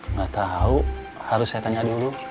nggak tahu harus saya tanya dulu